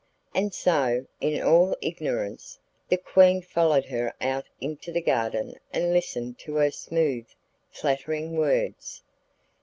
And so, in all ignorance, the Queen followed her out into the garden and listened to her smooth, flattering words.